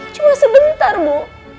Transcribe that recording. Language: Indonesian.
cuma sebentar bu